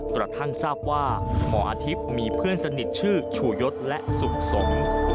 กระทั่งทราบว่าหมออาทิตย์มีเพื่อนสนิทชื่อชูยศและสุขสม